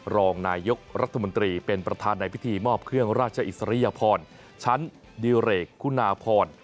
รองนายกรัฐมนตรีเป็นประธานในพิธีมอบเครื่องราชอิสริยพรชั้นดิเรกคุณาพร